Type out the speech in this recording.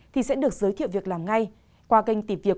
thì sẽ được giới thiệu việc làm ngay qua kênh tìm tiệ